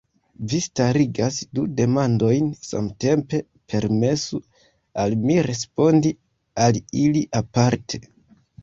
Vi starigas du demandojn samtempe, permesu al mi respondi al ili aparte.